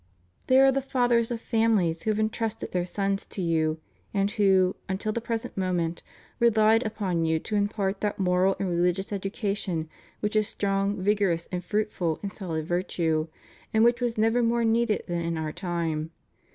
There are the fathers of families who have entrusted their sons to you, and who, until the present moment, relied upon you to impart that moral and religious education which is strong, vigorous, and fruit ful in solid virtue, and which was never more needed than in our time.